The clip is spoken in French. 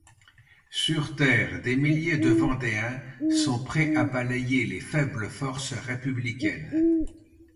Sur terre des milliers de Vendéens sont prêts à balayer les faibles forces républicaines.